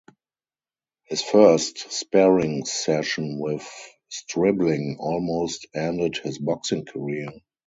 His first sparring session with Stribling almost ended his boxing career.